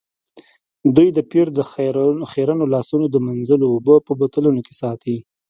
دوی د پیر د خیرنو لاسونو د مینځلو اوبه په بوتلونو کې ساتي.